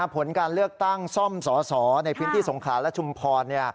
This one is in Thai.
ผลการเลือกตั้งซ่อมสอสอในพื้นที่สงขลาและชุมพร